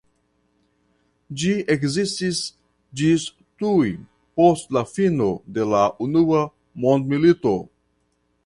Ĝi ekzistis ĝis tuj post la fino de la Unua Mondmilito.